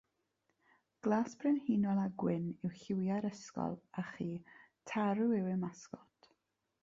Glas brenhinol a gwyn yw lliwiau'r ysgol a chi tarw yw ei masgot.